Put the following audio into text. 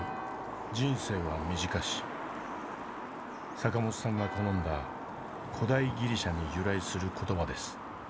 坂本さんが好んだ古代ギリシャに由来する言葉です。